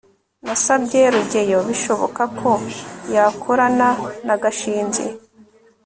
nasabye rugeyo bishoboka ko yakorana na gashinzi